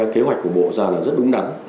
kế hoạch của bộ ra là rất đúng đắn